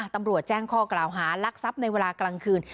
ตำรวจแจ้งข้อกล่าวหารักทรัพย์ในเวลากลางคืน